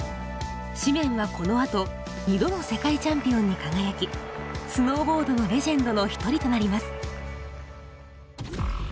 シメンはこのあと２度の世界チャンピオンに輝きスノーボードのレジェンドの一人となります。